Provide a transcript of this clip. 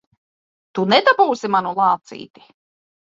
Tu nedabūsi manu lācīti!